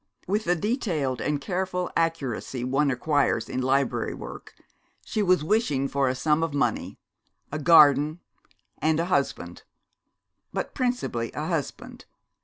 With the detailed and careful accuracy one acquires in library work, she was wishing for a sum of money, a garden, and a husband but principally a husband.